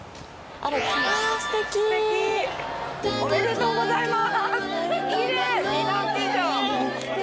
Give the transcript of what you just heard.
ありがとうございます！